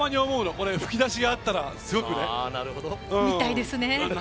これ、ふき出しがあったらすごくね。